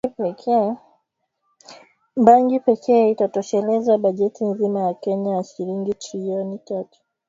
Bangi pekee itatosheleza bajeti nzima ya Kenya ya shilingi Trilioni tatu